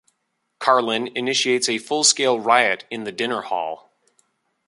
Carlin initiates a full-scale riot in the dinner hall.